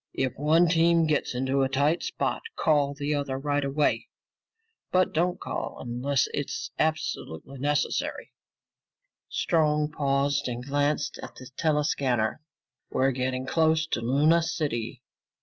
"If one team gets into a tight spot, call the other right away. But don't call unless it's absolutely necessary!" Strong paused and glanced at the tele scanner. "We're getting close to Luna City.